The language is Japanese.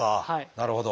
なるほど。